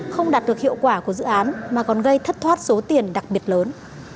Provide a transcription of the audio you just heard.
không đạt được hiệu quả của dự án mà còn gây thất thoát số tiền đặc biệt lớn